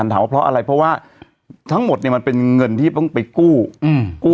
ที่จะต้องได้เหมือนกันถามว่าเพราะอะไรเพราะว่าทั้งหมดเนี่ยมันเป็นเงินที่ต้องไปกู้